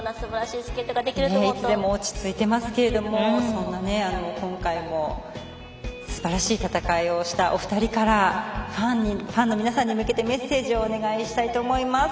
いつでも落ち着いてますけれども今回もすばらしい戦いをしたお二人からファンの皆さんに向けてメッセージをお願いしたいと思います。